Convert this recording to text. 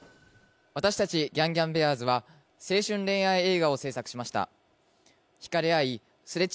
私たちぎゃんぎゃんベアーズは青春恋愛映画を制作しました。